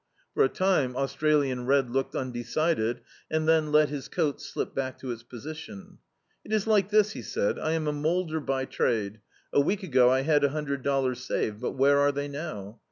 For a time Australian Red looked undecided, and then let his coat slip back to its position. "It is like this," he said, "I am a moulder by trade; a week ago I had a hun dred dollars saved, but where are they now?